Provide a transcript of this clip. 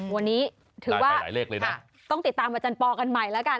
วันนี้ถือว่าต้องติดตามอาจารย์ปอล์กันใหม่แล้วกัน